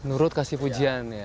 nurut kasih pujian ya